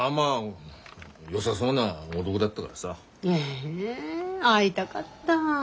へえ会いたかった。